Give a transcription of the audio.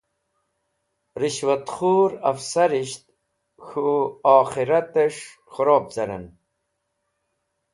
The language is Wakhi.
Rishwat Khur Afsarisht K̃hu Okhirate Kharob Caren